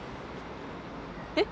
えっ？